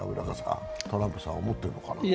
トランプさんは思ってるのかな。